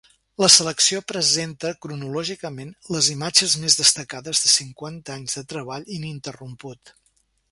La selecció presenta cronològicament les imatges més destacades de cinquanta anys de treball ininterromput.